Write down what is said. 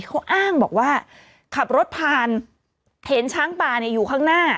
เขาอ้างบอกว่าขับรถผ่านเห็นช้างป่าเนี่ยอยู่ข้างหน้า